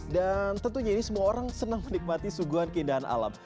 dan tentunya ini semua orang senang menikmati suguhan keindahan alam